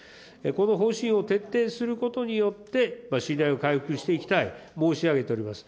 この方針を徹底することによって、信頼を回復していきたい、申し上げております。